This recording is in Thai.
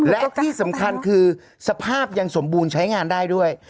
และที่สำคัญคือสภาพยังสมบูรณ์ใช้งานได้ด้วย